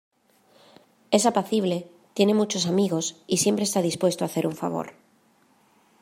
Es apacible, tiene muchos amigos y siempre está dispuesto a hacer un favor.